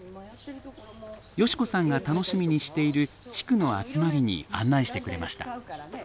美子さんが楽しみにしている地区の集まりに案内してくれました。